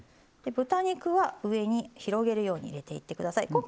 豚肉は上に広げるように入れていってください。